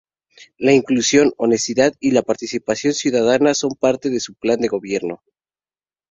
La inclusión, honestidad y la participación ciudadana son parte de su Plan de Gobierno.